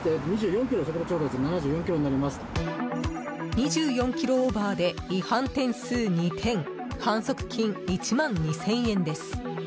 ２４キロオーバーで違反点数２点反則金１万２０００円です。